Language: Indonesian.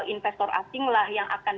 investor asinglah yang akan